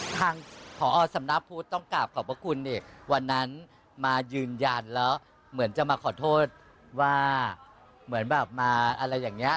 ทางผอสำนักพุทธต้องกลับขอบพระคุณนี่วันนั้นมายืนยันแล้วเหมือนจะมาขอโทษว่าเหมือนแบบมาอะไรอย่างนี้